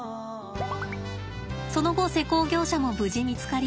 その後施工業者も無事見つかり